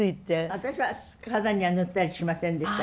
私は体には塗ったりしませんでしたけど。